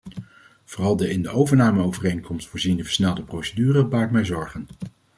Vooral de in de overnameovereenkomst voorziene versnelde procedure baart mij zorgen.